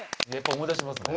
思い出しますね。